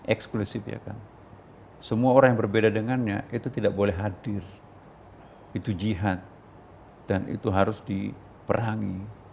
eksklusif ya kan semua orang yang berbeda dengannya itu tidak boleh hadir itu jihad dan itu harus diperangi